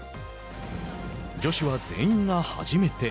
女子は全員が初めて。